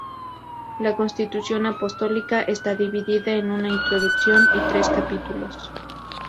La Constitución Apostólica está dividida en una introducción y tres capítulos.